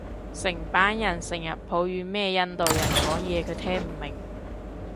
成班人成人抱怨咩印度人講嘢佢聽唔明